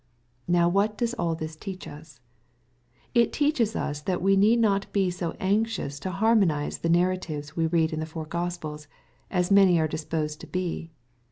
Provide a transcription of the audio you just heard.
Now what does all this teach us ? It teaches us that we need not be so anxious to harmonize the narratives we read in the four Gospels, as many are disposed to be.